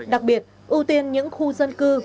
đặc biệt ưu tiên những khu dân cư